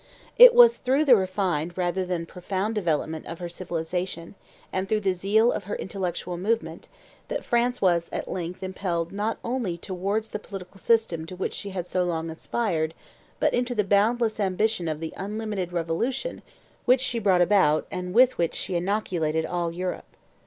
It was through the refined rather than profound development of her civilization, and through the zeal of her intellectual movement, that France was at length impelled not only towards the political system to which she had so long aspired, but into the boundless ambition of the unlimited revolution which she brought about and with which she inoculated all Europe.